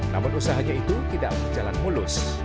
namun usahanya itu tidak berjalan mulus